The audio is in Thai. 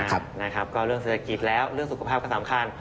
เรื่องเศรษฐกิจแล้วเรื่องสุขภาพก็สำคัญ